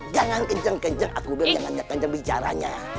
jangan kenceng kenceng aku bel jangan kenceng bicaranya